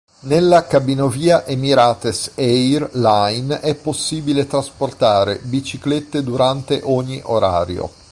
Nella cabinovia Emirates Air Line è possibile trasportare biciclette durante ogni orario.